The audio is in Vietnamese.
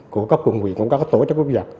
của các cộng quyền cũng có tổ chống cướp giật